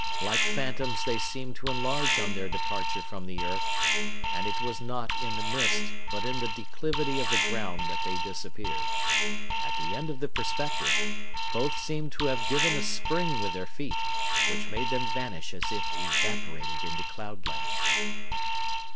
Like phantoms they seemed to enlarge on their departure from the earth, and it was not in the mist, but in the declivity of the ground that they disappeared. At the end of the perspective, both seemed to have given a spring with their feet, which made them vanish as if evaporated into cloud land.